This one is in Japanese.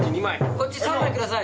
こっち３枚ください。